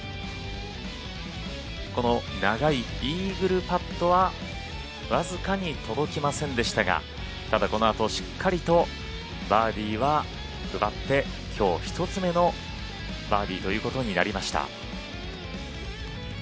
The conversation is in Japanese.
この長いイーグルパットはわずかに届きませんでしたがただ、このあとしっかりとバーディーは奪ってきょう１つ目のバーディーということになりました。